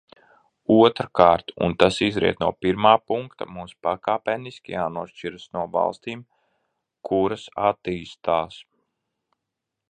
Otrkārt, un tas izriet no pirmā punkta, mums pakāpeniski jānošķiras no valstīm, kuras attīstās.